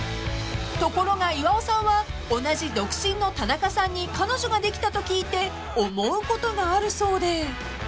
［ところが岩尾さんは同じ独身の田中さんに彼女ができたと聞いて思うことがあるそうで］